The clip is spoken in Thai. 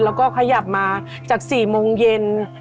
แล้วก็ขยับมาจาก๔โมงเย็น